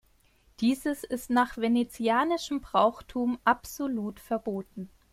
Dieses ist nach Venezianischem Brauchtum absolut verboten.